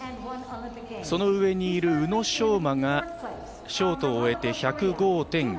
その上にいる宇野昌磨がショートを終えて１０５．９０。